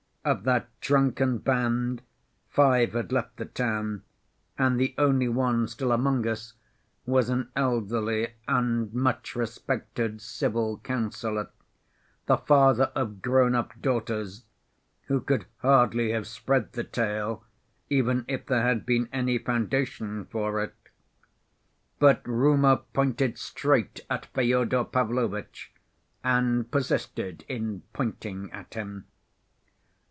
Of that drunken band five had left the town and the only one still among us was an elderly and much respected civil councilor, the father of grown‐up daughters, who could hardly have spread the tale, even if there had been any foundation for it. But rumor pointed straight at Fyodor Pavlovitch, and persisted in pointing at him.